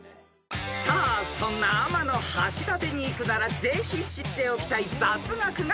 ［さあそんな天橋立に行くならぜひ知っておきたい雑学がこちら］